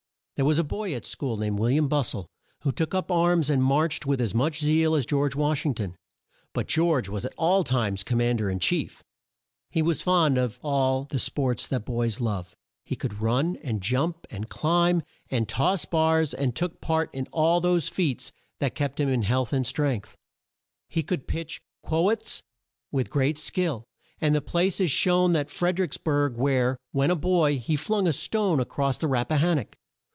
There was a boy at school, named Wil li am Bus tle, who took up arms and marched with as much zeal as George Wash ing ton. But George was at all times com mand er in chief! He was fond of all the sports that boys love, and could run, and jump, and climb, and toss bars, and took part in all those feats that kept him in health and strength. He could pitch quoits with great skill, and the place is shown at Fred er icks burg where, when a boy, he flung a stone a cross the Rap pa han nock.